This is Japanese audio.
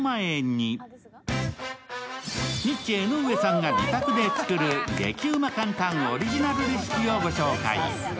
ニッチェ・江上さんが自宅で作る激ウマ簡単オリジナルレシピをご紹介。